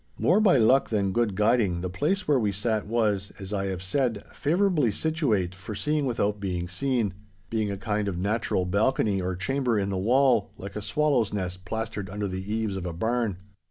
More by luck than good guiding, the place where we sat was, as I have said, favourably situate for seeing without being seen—being a kind of natural balcony or chamber in the wall, like a swallow's nest plastered under the eaves of a barn.